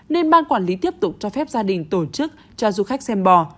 nên ban quản lý tiếp tục cho phép gia đình tổ chức cho du khách xem bò